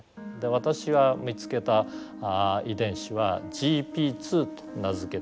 私は見つけた遺伝子はＧＰ２と名付けた遺伝子です。